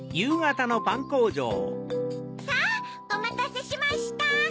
さぁおまたせしました。